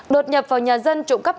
đột nhập vào nhà dân trụng cấp